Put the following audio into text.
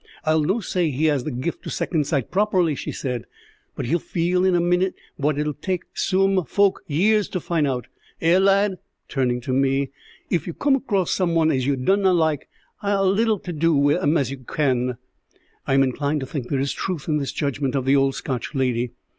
"I'll no say he has the gift o' second sight properly," she said, "but he'll feel in a minute what it'll tak soom fowk years to fin' out. Eh, lad" turning to me "if ye coom across some one as ye doesna like, hae as leetle to do wi' 'em as ye can." I am inclined to think there is truth in this judgment of the old Scotch lady.